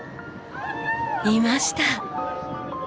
いました！